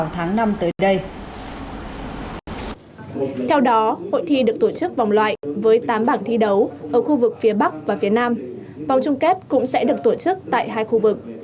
theo đó hội thi được tổ chức vòng loại với tám bảng thi đấu ở khu vực phía bắc và phía nam vòng chung kết cũng sẽ được tổ chức tại hai khu vực